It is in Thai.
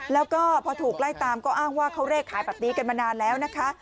แล้วก็พอถูกไล่ตามก็อ้างว่าเขาเลขขายแบบนี้กันมานานแล้วนะคะ